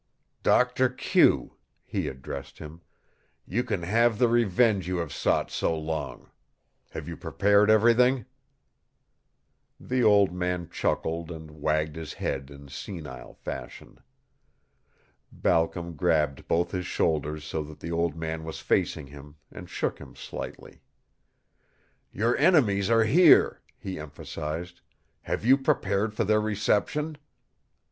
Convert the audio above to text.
"Doctor Q," he addressed him, "you can have the revenge you have sought so long. Have you prepared everything?" The old man chuckled and wagged his head in senile fashion. Balcom grabbed both his shoulders so that the old man was facing him, and shook him slightly. "Your enemies are here," he emphasized. "Have you prepared for their reception?"